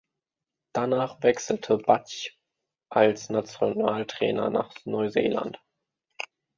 Danach wechselte Batch als Nationaltrainer nach Neuseeland.